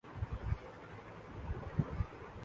‘ روز روشن کی طرح ثابت ہو گئی ہے۔